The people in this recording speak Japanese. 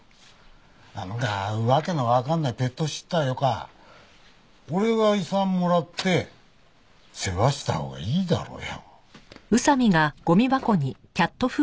なんか訳のわかんないペットシッターよか俺が遺産もらって世話したほうがいいだろうよ。